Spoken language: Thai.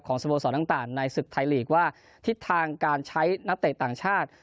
สโมสรต่างในศึกไทยลีกว่าทิศทางการใช้นักเตะต่างชาติ